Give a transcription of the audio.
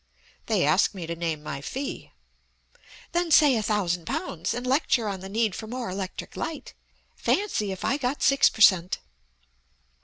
"They ask me to name my fee." "Then say a thousand pounds, and lecture on the need for more electric light. Fancy if I got six per cent!"